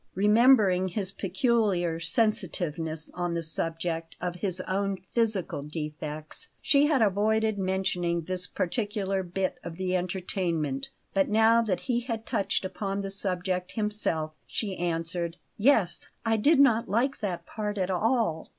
Remembering his peculiar sensitiveness on the subject of his own physical defects, she had avoided mentioning this particular bit of the entertainment; but now that he had touched upon the subject himself, she answered: "Yes; I did not like that part at all."